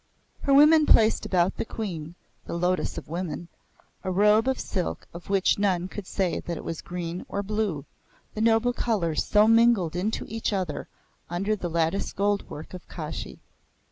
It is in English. Her women placed about the Queen that Lotus of Women a robe of silk of which none could say that it was green or blue, the noble colours so mingled into each other under the latticed gold work of Kashi.